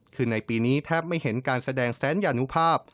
คือในปีนี้แทบไม่เห็นการแสดงแสนยานุภาพ